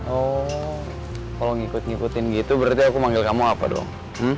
oh kalau ngikut ngikutin gitu berarti aku manggil kamu apa dong